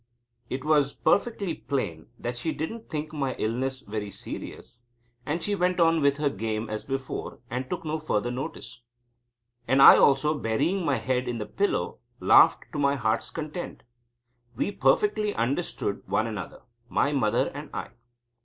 It was perfectly plain that she didn't think my illness very serious, as she went on with her game as before, and took no further notice. And I also, burying my head in the pillow, laughed to my heart's content. We perfectly understood one another, my mother and I.